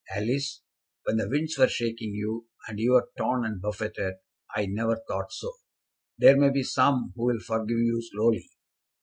Alice, when the winds were shaking you, and you were torn and buffeted, I never thought so. There may be some who will forgive you slowly.